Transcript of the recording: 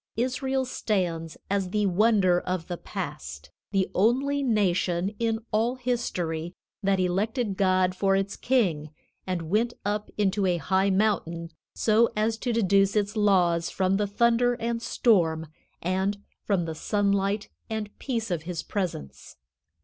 Israel stands as the wonder of the past, the only nation in all history that elected God for its king and went up into a high mountain so as to deduce its laws from the thunder and storm and from the sunlight and peace of His presence.